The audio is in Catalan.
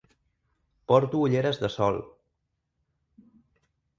Porto ulleres de sol.